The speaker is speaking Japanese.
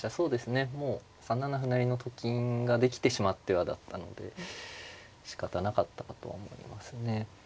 もう３七歩成のと金ができてしまってはだったのでしかたなかったかとは思いますね。